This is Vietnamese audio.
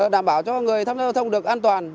đảm bảo cho người tham gia giao thông được an toàn